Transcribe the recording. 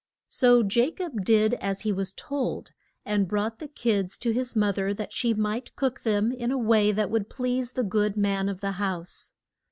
So Ja cob did as he was told, and brought the kids to his mo ther that she might cook them in a way that would please the good man of the house.